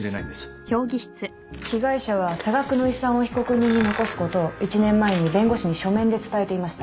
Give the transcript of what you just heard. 被害者は多額の遺産を被告人に残すことを１年前に弁護士に書面で伝えていました。